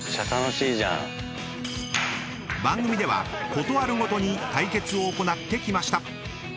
［番組では事あるごとに対決を行ってきました］